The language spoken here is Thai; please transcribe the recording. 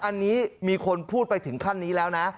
อันนี้มีคนพูดไปถึงขั้นนี้แล้วนะ